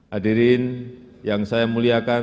hadirin yang saya muliakan